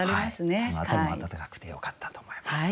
その辺りも温かくてよかったと思います。